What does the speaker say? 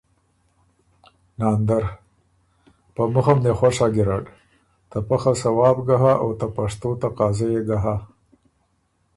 ناندر ـــ ”په مُخه م دې خوش هۀ ګیرډ، ته پۀ خه ثواب ګه هۀ او ته پشتو تقاضۀ يې ګۀ هۀ“